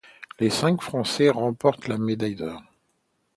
Les cinq Français remportent la médaille d'or.